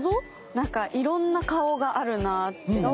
なんかいろんな顔があるなっていう。